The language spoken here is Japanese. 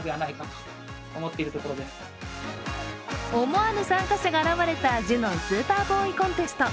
思わぬ参加者が現れたジュノン・スーパーボーイ・コンテスト。